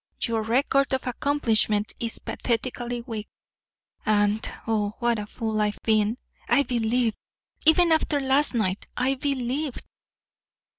Your record of accomplishment is pathetically weak. And oh, what a fool I've been! I believed. Even after last night, I believed."